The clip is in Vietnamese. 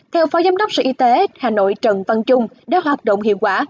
theo phó giám đốc sự y tế hà nội trần văn trung đáp hoạt động hiệu quả